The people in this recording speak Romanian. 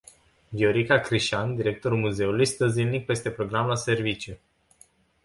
Viorica Crișan, directorul muzeului, stă zilnic peste program la serviciu.